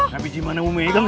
tapi gimana mau megang